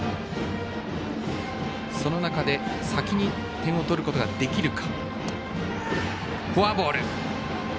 その中で先に点を取ることができるか。